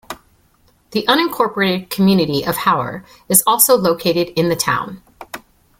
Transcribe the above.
The unincorporated community of Hauer is also located in the town.